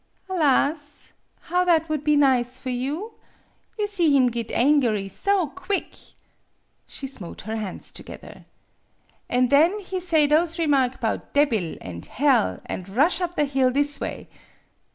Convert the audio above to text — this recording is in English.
Alas! How that would be nize for you! You see him git angery so quick." She smote her hands together. "An' then he say those remark 'bout debbil an' hell, an' rush up the hill this away."